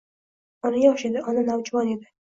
Ona yosh edi. Ona navjuvon edi.